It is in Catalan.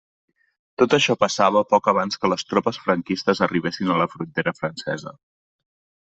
Tot això passava poc abans que les tropes franquistes arribessin a la frontera francesa.